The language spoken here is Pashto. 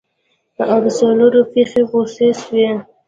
او د څلورو پښې غوڅې سوې.